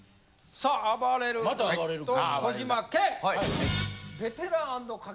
またあばれる君。